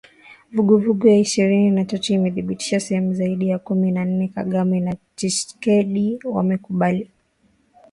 Vuguvugu ya Ishirini na tatu Imedhibiti sehemu zaidi ya kumi na nne, Kagame na Tshisekedi wamekubali kupunguza uhasama